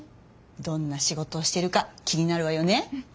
どんな仕事をしているか気になるわよね。